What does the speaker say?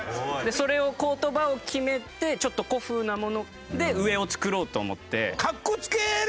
それを言葉を決めてちょっと古風なもので上を作ろうと思って。